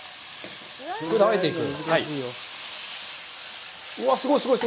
これをあえていく？